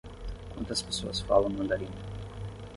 Quantas pessoas falam mandarim?